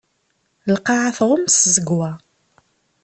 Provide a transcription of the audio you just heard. Lqaεa tɣumm s tẓegwa.